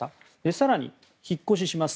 更に、引っ越しします